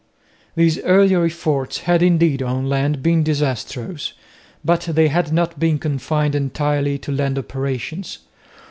These earlier efforts had indeed, on land, been disastrous, but they had not been confined entirely to land operations.